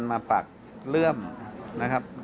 มาปักเลื่อมนะครับ